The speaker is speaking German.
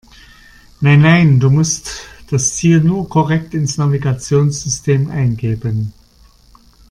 Nein, nein, du musst das Ziel nur korrekt ins Navigationssystem eingeben.